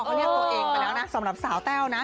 เขาเรียกตัวเองไปแล้วนะสำหรับสาวแต้วนะ